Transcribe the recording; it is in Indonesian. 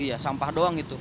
iya sampah doang gitu